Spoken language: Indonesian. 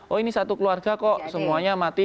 oh ini satu keluarga kok semuanya mati